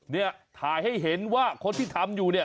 เนี่ยถ่ายให้เห็นว่าคนที่ทำอยู่เนี่ย